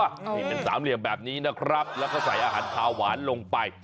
นี่เป็นสามเหลี่ยมแบบนี้นะครับแล้วก็ใส่อาหารขาวหวานลงไป